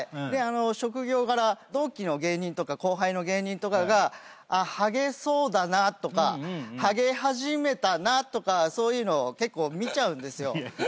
職業柄同期の芸人とか後輩の芸人とかがハゲそうだなとかハゲ始めたなとかそういうのを結構見ちゃうんですよ。